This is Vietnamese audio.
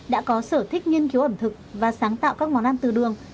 đã có sở thích nghiên cứu ẩm thực và sáng tạo các món ăn từ đường